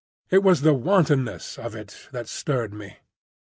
It was the wantonness of it that stirred me.